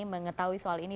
mengetahui soal ini